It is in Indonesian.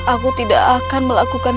aku tidak akan melakukan